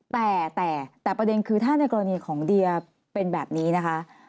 แต่แต่ประเด็นคือถ้าในกรณีของเดียเป็นแบบนี้นะคะ